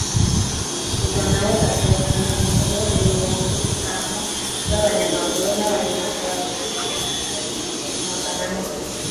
ubwo na we asohokana ingabo ibihumbi bitanu z'abanyamaguru n'abanyamafarasi magana ane